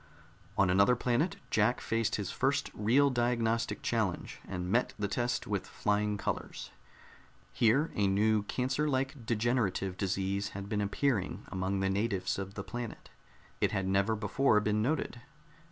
On another planet Jack faced his first real diagnostic challenge and met the test with flying colors. Here a new cancer like degenerative disease had been appearing among the natives of the planet. It had never before been noted.